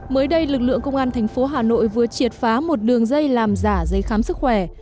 mới đây lực lượng công an thành phố hà nội vừa triệt phá một đường dây làm giả giấy khám sức khỏe